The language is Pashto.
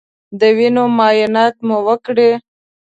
د وینې معاینات مو وکړی